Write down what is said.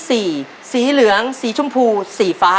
สีสีเหลืองสีชมพูสีฟ้า